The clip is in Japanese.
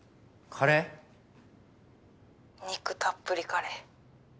肉たっぷりカレー。